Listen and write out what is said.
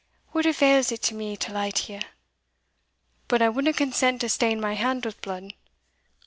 What avails it to me to lie to you? But I wadna consent to stain my hand with blood.